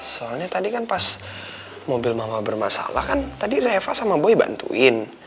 soalnya tadi kan pas mobil mau bermasalah kan tadi leva sama boy bantuin